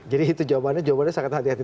jadi itu jawabannya jawabannya sangat hati hati